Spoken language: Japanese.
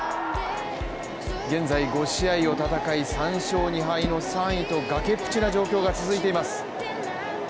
現在５試合を戦い３勝２敗の３位と崖っぷちな状況が続いています。